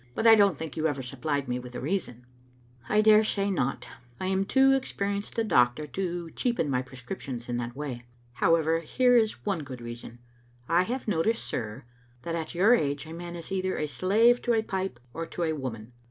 "But I don't think you ever supplied me with a reason." I daresay not. I am too experienced a doctor to cheapen my prescriptions in that way. However, here is one good reason. I have noticed, sir, that at your age a man is either a slave to a pipe or to a woman.